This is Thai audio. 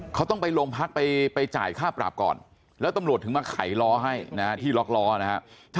เขาต้องไปโรงพักไปจ่ายค่าปรับก่อนแล้วตำรวจถึงมาไขล้อให้นะฮะที่ล็อกล้อนะฮะ